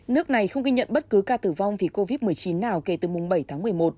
nước này không ghi nhận bất cứ ca tử vong vì covid một mươi chín nào kể từ mùng bảy tháng một mươi một